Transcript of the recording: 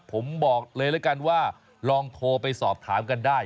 ผมบอกเลยแล้วกันว่าลองโทรไปสอบถามกันได้